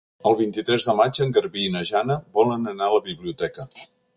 El vint-i-tres de maig en Garbí i na Jana volen anar a la biblioteca.